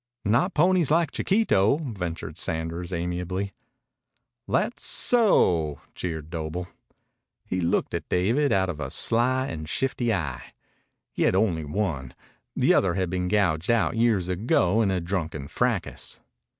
"Not ponies like Chiquito," ventured Sanders amiably. "That so?" jeered Doble. He looked at David out of a sly and shifty eye. He had only one. The other had been gouged out years ago in a drunken fracas.